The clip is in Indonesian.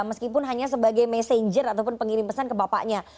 meskipun hanya sebagai messenger ataupun pengirim pesan ke bapaknya